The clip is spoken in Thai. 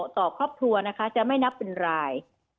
ต่อครอบครัวนะคะจะไม่นับเป็นราย